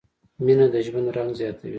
مینه د ژوند رنګ زیاتوي.